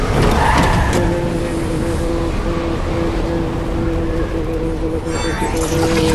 প্রয়োজন অনুযায়ী চিকিৎসকের পরামর্শে ইনফ্লুয়েঞ্জা, মেনিনজাইটিস এবং জলাতঙ্কের টিকাও দেওয়া যাবে।